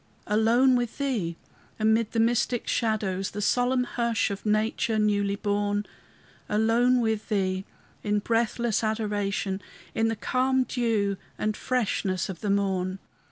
Alone with Thee, amid the mystic shadows, The solemn hush of nature newly born; Alone with Thee in breathless adoration, In the calm dew and freshness of the morn.